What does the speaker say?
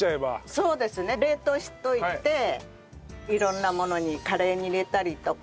そうですね。冷凍しといて色んなものにカレーに入れたりとか。